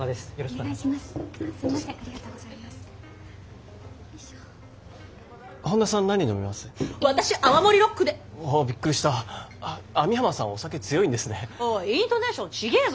おいイントネーション違えぞ。